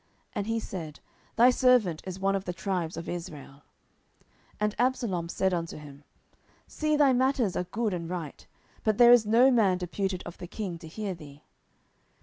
And he said, Thy servant is of one of the tribes of Israel. 10:015:003 And Absalom said unto him, See, thy matters are good and right; but there is no man deputed of the king to hear thee.